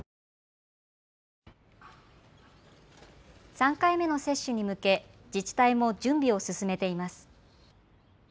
３回目の接種に向け自治体も準備を進めています。